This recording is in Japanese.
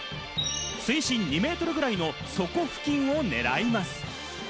水深２ｍぐらいの底付近を狙います。